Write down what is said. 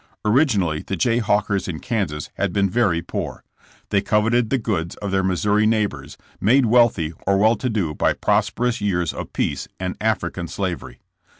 Originally the Jayhawkers in Kansas had been very poor. They coveted the goods of their Missouri neighbors, made wealthy or well to do by prosperous years of peace and African slavery.